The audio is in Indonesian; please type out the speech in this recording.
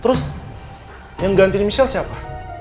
terus yang ganti inisial siapa